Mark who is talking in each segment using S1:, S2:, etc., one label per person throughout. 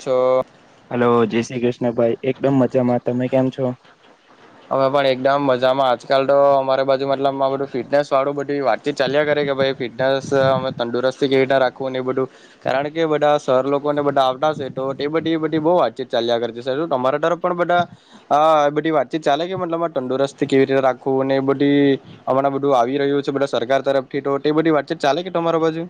S1: છો
S2: હલો જય શ્રી કૃષ્ણ ભાઈ એકદમ મજામાં તમે કેમ છો
S1: બામાં આજકાલ તો અમારે બાજુ મતલબ બધું ફિટનેસ વાળું બધું વાતચ ચાલ્યા કરે કે ભાઈ ફિટનેસ અમે તંદુરસ્તી કેવી રીના રાખવું ને એ બધું કારણ કે બધા સર લોકો ને બધા બધી બ બ વાતચીત ચાલ્યા કર તમારા તરફ પણ બધા બધી વાતચીત ચાલે કે મલ તંદુરસ્ત કેવી રીતે રાખવું એ બધી હમણાં બધું આવી રહ્યું છે બધ સરકાર તરફથી બધી વાતચીત ચાલે કે તમારા બાજુ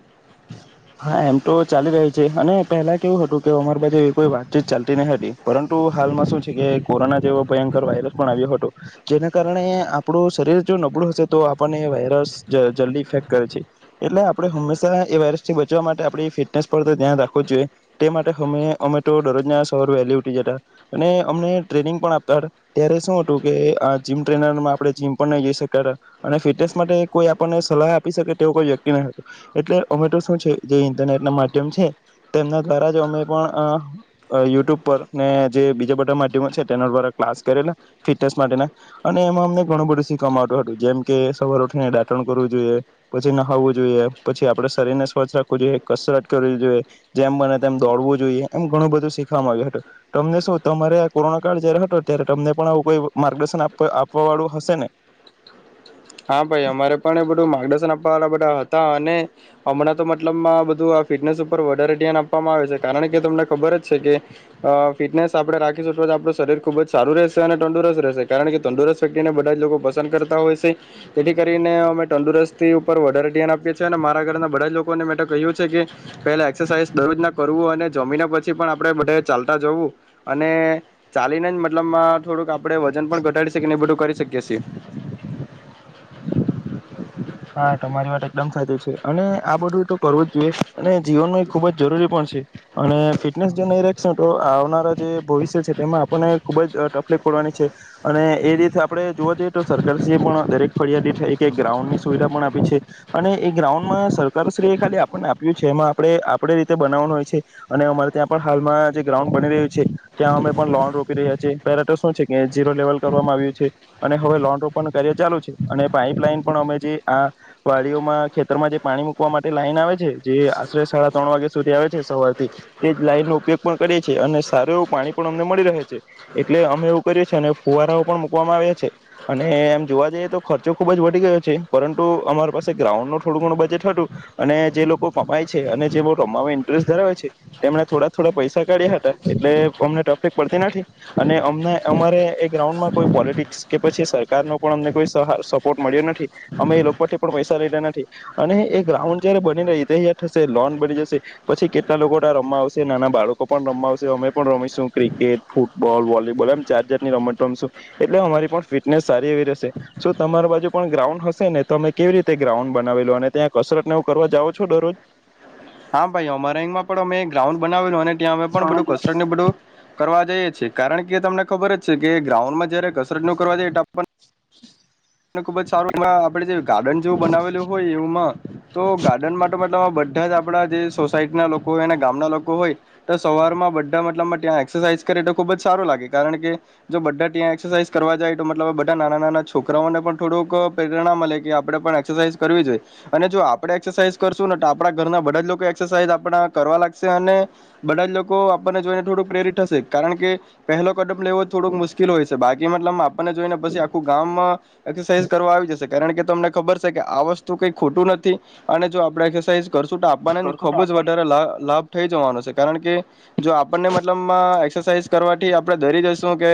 S2: હા એમ તો ચાલી રહ્યું છે અને પેલા કેવું હતું કે અમાર બાજ કોઈ વાતચીત ચા ન હતી પરંતુ હાલમાં શું છે કે કોરોના જેવો ભયંકર વાયરસ પણ આવ્યો હતો જેના કારણે આપણું શરીર જો નબળું હશે તો આપણને એ વાયરસ જલ્દી ઇફેક્ટ કરે છે એટલે આપણે હંમેશા એ વાયરસ બચવા માટે આપણી ફિટનેસ પર તો ધ્યાન રાખવું જોઈએ તે માટે અમે ઓમેટો દરરોજના સવાર વેલી ઉઠી જતા અને અમને ટ્રેનિંગ પણ આપતા હતા ત્યારે શું હતું કે જીમ ટ્રેનરમાં આપણે જીમ પણ નહી જઈ શકતા હતા અને ફિટનેસ માટે કોઈ આપણને સલાહ આપી શકે તેવું કોઈ વ્યક્તિ ન હત એટલેમેટો મા્યમ છે તેમના દ્વારા અમે પણ યુટ્યુબ પર ને જે બીજા બધા માધ્યમો છે તેના દ્વારા ક્લાસ કરેલા ફિટનેસ માટેના અને એમાં અમને ઘણું બધું શીખવામાં આવતું હતું જેમ કે સવારઠીને રાટણ કરવું જોઈએ પછી નહવું જોઈએ પછી આપડે શરીરને સ્વચથ રાખવું જોઈએ કસરત કરવી જોઈએ જેમ બને તેમ દોડવું જોઈએ એમ ઘણું બધું શીખવાવામાં આવ્યું હતું તમને શું તમારે આ કોરોના કાળ જયારે હતો ત્યારે તમને પણ આવું કોઈ માર્ગદર્શન આપવા વાળું હશે ને
S1: હા ભાઈ અમારે પણ એ બધું માર્ગદર્શન આપ બધા હતા અને હમણાં તો મતલબમાં બધું આ ફિટનેસ ઉપર વધારે ધ્યાન આપવામાં આવે છે કારણ કે તમને ખબર જ છે કે ફિટનેસ આપણે રાખીશું આપડું શરીર ખુબ જ સારું રહેશે અને તંદુરસ્ત રહેશે કારણ કે તંદુરસ્ત વ્યક્તિને બધા જ લોકો પસંદ કરતા હોય છે તેથી કરીને અમે તંદુરસ્તી ઉપર વધારે ધ્યાન આપીએ છીએ અને મારા ઘરના બધા જ લોકોને મે કહ્યું છે કે પહેલા એક્સરસાઇઝ દરરોજ ના કરવું અને જમીને પછી પણ આપણે બધા ચાલતા જવું અને ચાલીને જ મતલબમાં થોડુંક આપણે વજન પણ ઘટાડી શકીએને બધું કરી શકીએ છીએ [inaudible]
S2: હા તમારી માટે એકદમ ફાયદો છે અને આ બધું તો કરવું જ જોઈએ અને જીવનમાં એ ખૂબ જરૂરી પણ છે અને ફિટનેસ જો નહી તો આવનારા જે ભવિષ્ય છે તેમાં આપણને ખુબ જ તકલીફ પડવાની છે અને એ રીતે આપણે જોવા જઈએ તો સરકારશ્રી એ પણ દરેક ફરિયાદી છે એક ગ્રાઉન્ડ સુવિધા પણ આપી છે અને એ ગ્રાઉન્ડમાં સરકારશ્રીએ ખાલી આપણને આપ્યું છે એમાં આપણે આપણે રીતે બનાવવાનું હોય છે અને અમારે ત્યાં પણ હાલમાં જે ગ્રાઉન્ડ બની રહ્યું છે ત્યાં અમે પણ લોન રોપી રહ્યા છે પેરાટ શું છે કે ીરો લેવલ કરવામાં આવ્યું છે અને હવે લોન રોપવાનું કાર્ય ચાલુ છે અને પાઇપલાઈન પણ અમે જે આ વાડીઓમાં ખેતરમાં જે પાણી મૂકવા માટે લાઈન આવે છે જે આશરે સાડા ત્રણ વાગ્યા સુધી આવે છે સવારથી તે જ લાઈનનોો ઉપયોગ પણ કરીએ છીએ અને સારું એવું પાણી પણ અમને મળી રહે છે એટલે અમે એવું કરીએ છી અને ફુવારાઓ પણ મૂકવામાં આવ્યા છે અને એમ જોવા જઈએ તો ખર્ચો ખુબ જ વધી ગયો છે પરંતુ અમારી પાસે ગ્રાઉન્ડનું થોડું ઘણું બજેટ હતું અને જે લોકો કમાય છે અને જે લોકો રમવામાં ઇન્ટરેસ્ટ ધરાવે છે તેમણે થોડા થોડા પૈસા કાઢ્યા હતા એટલે અમને ટફિક પડતી નથી અને અમને અમારે એ ગ્રાઉન્ડમાં કોઈ પોલિટિક્સ કે પછી સરકારનો પણ અમને કોઈ સહ સપોર્ટ મળ્યો નથી અમે એ લોકો પણ પૈસા રેા નથી અને એ ગ્રાઉન્ડ જયારે બની રહી થશે લોન બની જશે પછી કેટલા લોકો રમવા આવશે નાના બાળકો પણ રમવા આવશે અમે પણ રમીશું ક્રિકેટ ફૂટબોલ વોલીબોલ એમ ચાર ચાર ની રમત રમશું એટલે અમારી પણ ફિટનેસ સારી એવી રહેશે તમારી બાજુ પણ ગ્રાઉન્ડ હશે ને તમે કેવી રીતે ગ્રાઉન્ડ બનાવી લો અને ત્યાં કસરત નેવું કરવા જાાવ છો દરરોજ
S1: હા ભાઈ અમારેંગમાં પણ અમે ગ્રાઉડ બનાવેલું અને અમે પણ બધું કસરત ું બધું કરવા જઈએ છે કારણ કે તમને ખબર જ છે કે ગ્રાઉન્ડમાં જયારે કસરત ન કરવા જાયએ એ આપને
S2: [unintelligible]
S1: ખુબ જ સારું એમાં આપડે જે ગાર્ડન જેવું બનાવેલું હોય એવમાં તો ગાર્ડન માટે મલબ બધા જ આપડા જે સોસાયટીના લોકો હોય અને ગામના લોકો હોય તો સવારમાં બધા મતલબમાં ત્યાં એક્સરસાાઈઝ કરે તો ખુબ જ સારું લાગે કારણ કે જો બધા ત્યાં એક્સરસાાઈઝ કરવા જાય તો મતલબ બધા નાના નાના છોકરા રાને પણ થોડુંક પ્રેરણા મળે કે આપણે પણ એક્સરસાઇઝ કરવી જોઈએ અને જો આપણે એક્સરસાાઈઝ કરશું ને તો આપણા ઘરના બધા જ લોકો એક્સરસાઇઝ આપણા કરવા લાગશે અને બધા જ લોકો આપણને જોઈને થોડુંક પ્રેરિત થશે કારણ કે પહેલો કડમ લેવો થોડુંક મુશ્કેલ હોય છે બાકી મતલબમાં આપણને જોઈને પછી આખું ગામ એક્સરસાઇઝ કરવા આવી જશે કારણ કે તમને ખબર છે કે આ વસ્તુ કઈ ખોટું નથી અને જો આપડે એક્રસાઇઝ કરશું તો આપણને ખુબ જ વધારે લ લાભ થઈ જવાનો છે. કારણ કે જો આપણને મતલબ એક્સરસાઇઝ કરવા આપણે ધરી જું કે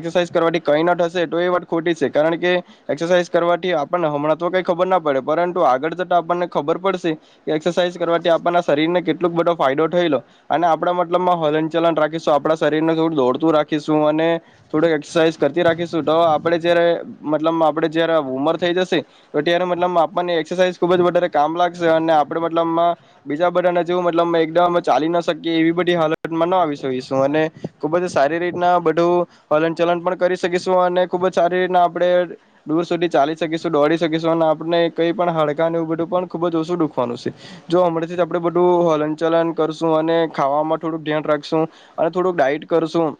S1: એક્રસાઝ કરવાથી કઈ ના હશે તો એ વાત ખોટી છે કારણ કે કે એક્સરસાઇઝ કરવાથી આપણને હમણાં તો કઈ ખબર ના પડે પરંતુ આગળ જતા આપણને ખબર પડશે કે એક્સરસાઇઝ કરવાથી આપણના શરીર ને કેટલોક બધો ફાયદો થઈ લો અને આપણા મતલબમાં હલન ચલન રાખીશું આપણા શરીરને થોડું દોડતું રાખીશું અને થોડું એક્સરસાઇઝ કરતી રાખીશું તો આપડણે જયારે મલબ આપે જયારે ઉમર થઈ જશે તો ત્યારે મતલબ આપણને એક્સરસાઇઝ ખબ જ વધારે કામ લાગશે અને આપડે મતલબમાં બીજા બધાને મતલ એકમ અ ચાલી ના શકીએ એવી બધી હાલતમાં ન આવી શકીશું અને ખુબ જ સારી રીતના બધું હલન ચલન પણ કરી શકીશું અને ખુબ જ સારી રીતના આપ દૂર સુધી ચાલી શકીશું દોડી શકીશું અને આપણે કઈ પણ હડકા ને એવું બધું પણ ખુબ જ ઓછું દુખવાનું છે જો હમણાથી આપડે બધું હલન ચલન કરશું અને ખામાં થોડુંક ધ્યાન રાખશું અને થોડુંક ડાઈટ કરશું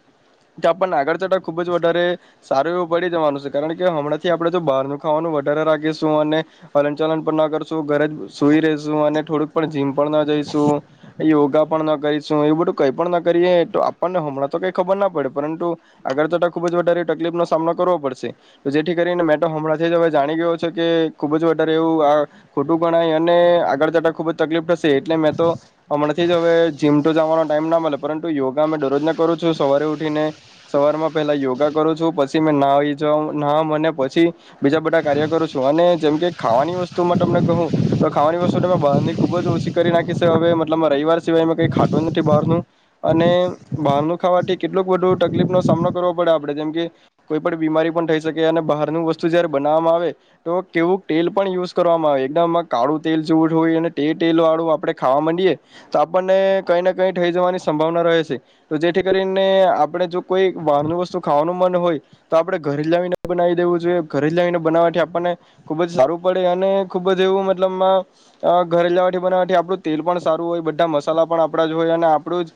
S1: તો આપણને આગળ ચટા ખુબ જ વધારે સારું એવું પડી જવાનું છે. કારણ કે હમણાં થી આપણેે તો બારનું ખાવાનું વધારે રાખીશું અને હલન ચલન પણ ના કરશ શું ઘરે જ સુઈ રશું અને થોડુંક પણ જીમ પણ ના જઈશું યોગા પણ ન કરીશું એવું બધું કંઈ પણ ન કરીએ તો આપણને હમણાં તો કંઈ ખબર ના પડે પરંતુ આગળ તો ખુબ જ વધારે તકલીફનો સામનો કરવો પડશે જેથી કરીને મેં તો હમણાં હવે જાણી ગયો છે કે ખુબ જ વધારે એવું આ ખોટું ગણાય અને આગળ જતા ખૂબ જ તકલીફ થશે એટલે મેં તો હમણાં થી હવે જીમ ટ જવાનો ટાઈમ ના મળે પરંતુ યોગા મેં દરરોજ કરું છું સવારે ઉઠી ને સવાર માં પહેલા યોગા કરું છું પછી મેં ના આવી ના મને પછી બીજા બધા કાર્ય કરું છું અને જેમ કે ખાવાની વસ્તુમાં તમને કહું તો ખાવાની વસ્તુ તમે બહારની ખુબ જ ઓછી કરી નાખી છે હવે મતલબ રવિવાર સિવાય કઈ ખાટો નથી બહારનું અને બહારનું ખાવાથી કેટલુંક બધું તકલીફ નો સામનો કરવો પડે આપડે જેમકે કોઈ પણ બીમારી ઈ શકે અને બહારનું વસ્તુ જયારે બનાવવામાં આવે તો કેવું તેલ પણ યુઝ કરવામાં આવે એકદમમાં કાળું તેલ જેવું હોય અને તે તેલ વાળું આપણે ખાવા માંડીએ તો આપણને કંઈને કંઈ થઈ જવાની સંભાવના રહે છે તો જેથી કરીને આપણે જો કોઈ બહારનું વસ્તુ ખાવાનું મન હોય તો આપણે ઘરે લાવીને બનાવી દેવું જોઈએ ઘરે લાવીને બનાવાથી આપણને ખુબ જ સારું પડે અને ખુબ જ એવું મતલબમાં ઘરે લાવવાથી બનાવવાથી આપણું તેલ પણ સારું હોય બધા મસાલા પણ આપડા જ હોય અને આપણું જ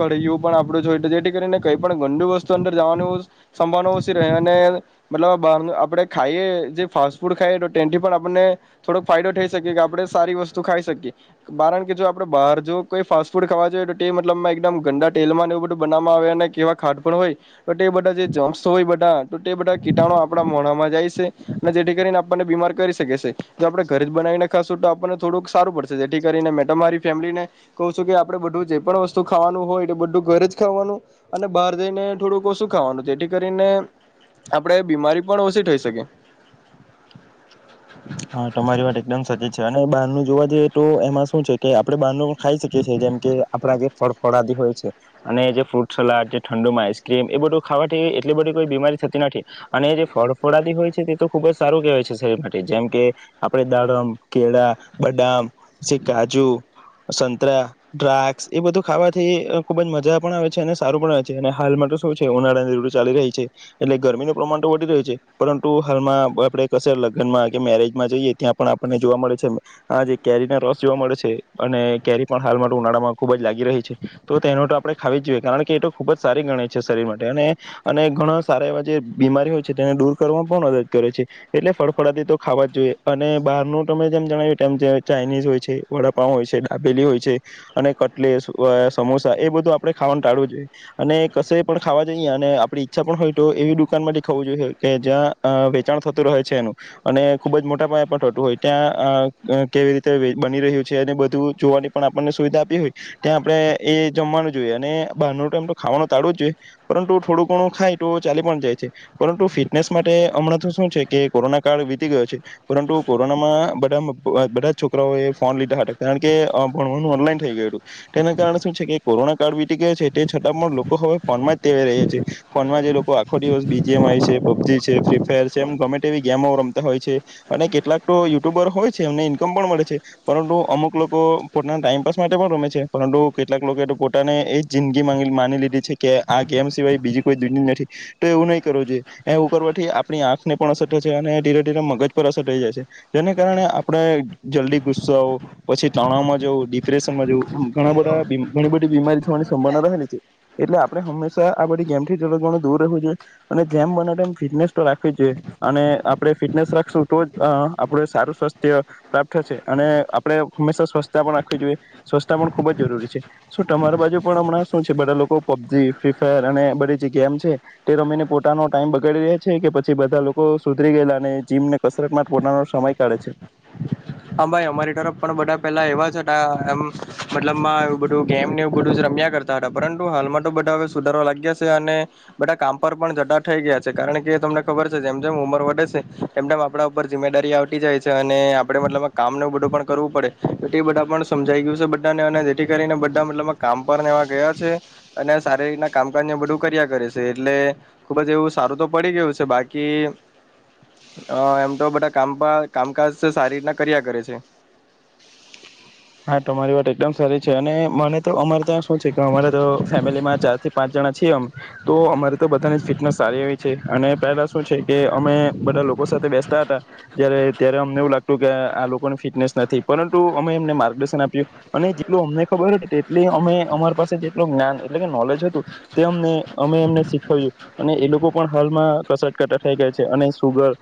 S1: કઢાઈઓ પણ આપણું જ હોય જેથી કરીને કઈ પણ ગંદુ વસ્તુ અંદર જવાનું સંભાવ મલબ બાર આપણે ખાઈએ જે ફાસ્ટ ફૂડ ખાઈએ તો તેથી પણ આપને થોડોક ફાયદો થઈ શકીએ કે આપડણે સારી વસ્તુ ખાઈ શકીએ કારણ કે જો આપડે બહાર જો કોઈ ફાસ્ટ ફૂડ ખાવા જોઈએ તો તે મતલબમાં એકદમ ગંદા તેલમાં એવું બધું બનાવામાં આવે અને કેવા ખાડ પણ હોય તો તે બધા જે ય બધા તૂ બધા કીટાણો આપણા મોણામાં જાય છે અનેને જેથી કરીને આપણને બીમાર કરી શકે છે. જો આપણે ઘરે જ બનાવીને ખાસશું તો આપણને થોડુંક સારું પડશે જેથી કરીને મે મારી ફેમિલી ને, કહ છું કે આપડે બધું જે પણ વસ્તુ ખાવાનું હોય એ બધું ઘરે જ ખાવાનું, અને બહાર જઈને થોડું ઓશું ખાવાનું છે. કરીને, આપણે બીમારી પણ ઓછી થઈ શકી.
S2: હા તમારી વાત એકદમ સચ છે અને બહારનું જોવા જ તો એમાં શું છે કે આપડે બાર ન ખાઈ શકી છીએ જેમ કે આપડા કે ફળ ફળાદી હોય છે, અને જે ફ્રૂટ સલાડ જે ઠંડુમાં આઈસક્રીમ એ બધું ખાવાથી એટલી બધી કોઈ બીમારી થતી નથી, અને જે ફળ ફળાદી હોય છે તે તો ખુબ જ સારું કહેવાય છે શરીર માટે જેમ કે, આપડે દાડમ કેળા, બદામ, પછી કાજુ, સંતરા, દ્રાક્ષ, એ બધું ખાવાથી ખુબ જ મજા પણ આવે છે અને સારું પણ આવે છે અને હાલમાં તો શું છે ઉનાળા નીઋડ ચાલી રહી છે, એટલે ગરમીનું પ્રમાણ તો વધી રહ્યું છે પરંતુ હાલમાં આપે કશે લગનમાં કે મેરેજમાં જઈએ ત્યાં પણ આપણને જોવા મળે છે, આ જે કેરીનો રસ જોવા મળે છે અને કેરી પણ હાલ માટે ઉનાળામાં ખુબ જ લાગી રહી છે, તો તેનો તો આપણે ખાવી જ જોઈએ કારણ કે એ તો ખુબ જ સારી ગણે છે શરીર માટે અને, અને ઘણા સારા એવા જે બીમારી હોય છે તેને દૂર કરવાવામાં પણ મદદ કરે છે, એટલે ફળફળથી તો ખાવા જ જોઈએ અને બહારનું તમે જેમ જણાવ્યુંમ જે ચાઇનીઝ હોય છે વડાપાાવ હોય છે ડાબેલી હોય છે, અને કટલે સમોસા એ બધું આપડણે ખાવાનું ટાળવું જોઈએ અને કશે પણ ખાવા જઈએ, અને આપણી ઈચ્છા પણ હોય તો એવી દુકાનમાંથી ખવું જોઈએ કે જ્યાં વેચાણ થતું રહે છે એનું. અને ખુબ જ મોટા પાયેપ હતું હોય ત્યાં કેવી રીતે બની રહ્યું છે અને બધું જોવાની પણ આપણને સુવિધા આપી હોય, ત્યાં આપણે એ જમવાનું જોઈએ અને બહારનો ટાઈમ તો ખાવાનું ટાળવ જ જોઈએ, પરંતુ થોડું ઘણું ખાય તો ચાલી પણ જાય છે, પરંતુ ફિટનેસ માટે હમણાં તો શું છે કે કોરોના કાર વીતી ગયો છે, પરંતુ કોરોનામાં બા બધા છોકરાઓ એ ફોન લીધા હતા કારણ કે ભણવાનું ઓનલાઈન થઈ ગયું હતું, તેના કારણે શું છે કે કોરોના કાર્ડ વીતી ગયો છે તે છતાં પણ લોકો હવે ફોનમાં જ તે રહ્યા છે, ફોનમાં જે લોકો આખો દિવસ બી જી મ છે પ બ જી છે ફ્રી ફાયર છે એમ ગમે તેવી ગેમો રમતા હોય છે, અને કેટલાક તો યુટ્યુબર હોય છે એમને ઈન્કમ પણ મળે છે, પરંતુ અમુક લોકો પોતાના ટાઈમપાસ માટે પણ રમે છે પરંતુ કેટલાક લોકો પોતાને એ જ જિંદગી માની લીધી છે કે આ ગેમ સિવાય બીજી કોઈ દુન નથી, તો એવું નહીં કરવ જોઈએ, એવું કરવાથી આપણી આંખને પણ અસર મગજ પર અસર થઈ જાય છે, જેને કારણે આપણે જલ્દી ગુસ્સ આવો, પછી તણાવમાં જવું ડિપ્રેશનમાં જવું ઘણા બધ ઘણી બધી બીમારી થવાની સંભાવના રહેલી છે, એટલે આપણે હંમેશા આ બધ ગમથી ઘણું દૂર રહેવું જોઈએ, અને જેમ બ ફિટનેસ તો રાખવી જોઈએ. અને આપણે ફિટનેસ રાખશું તો આપડ સારું સ્વાસ્થ્ય, પ્રાપ્ત થશે અને આપણે હંમેશા સ્વચ્છતા પણ રાખવી જોઈએ, સ્વચ્તા પણ ખૂબ જ જરૂરી છે, શું તમારી બાજુ પણ હમણાં શું છે બધા લોકો પબજી ફ્રી ફાયર અને બધી જ ગેમ છે તે રમીને પોતાનો ટાઈમ બગાડી રહ્યા છે કે પછી બધા સુધરી ગયેલા અને જીમને કસરત ના પોતાનો સમય કાઢે છે?
S1: હા ભાઈ અમારી તરફ પણ બધા પેલા એવા જ હતા એમ મતલબમાં એું બધું ગેમ એવું બધું જ રમ્યા કરતા હતા પરંતુ હાલમાં તો બધા હવે સુધારવા લાગ્યા છે અને, બધા કામ પર પણ જટ થઈ ગયા છે કારણ કે તમને ખબર છે જેમ જેમ ઉંમર વધડે છે, તેમમ તેમમ આપણા ઉપર જિમ્મેદારી આવતી જાય છે અને બ કામ બધું પણ કરવું પડે, એ બધા પણ સમજાઈ ગયું છે બધાને અને જેથી કરીને બા મતલબ કામ પણ એવા ગયા છે, અને સારી રીતના કામકાજ ને બધું કર્યા કરે છે એટલે, ખુબ જ એવું સારું તો પડી ગયું છે બાકી એમ તો બધા કામ કામકાજ સારી રીતના કર્યા કરે છે.
S2: હા તમારી વાત એકદમ સારી છે અને મને તો અમારે ત્યાં શું છે કે અમારે તો ફેમિલીમાં ચાર થી પાંચ જણા છીએ અમે તો અમારે તો બધાની જ ફિટનેસ સારી એવી છે અને પહેલા શું છે કે અમે બધા લોકો સાથે બેસતા હતા, જ ત્યારે અમને એવું લાગતું કે આ લોકોની ફિટનેસ નથી પરંતુ અમે એમને મા જેટલું અમને ખબર તેટલી અમે અમારી પાસે જેટલું જ્ઞાન એટલે કે નોલેજ હતું, તે અને અમે એમને શીખ્યું અને એ લોકો પણ હાલમાં કસરત થાય ગયા છે, અને સુગર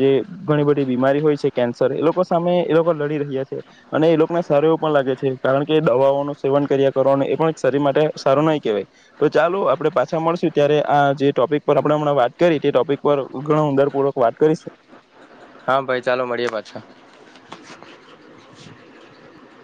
S2: જે ઘણી બધી બીમારી હોય છે કેન્સર એ લોકો સામે એ લોકો લડી રહ્યા છે, અને એ લોકોના સારું એવું પણ લાગે છે કારણ કે દવાઓ નુ સેવન કર્યા કરવાનું એ પણ શરીર માટે સારું નહી કેવાય તો ચાલો આપણે પાછા મળશું ત્યારે આ જે ટોપિક પર આપણે હમણા કરી તે ટોપિક પર ઘણુ ઉંડારપૂર્વક વાત કરીશું
S1: હા, ભાઈ ચાલો મળીએ પાછો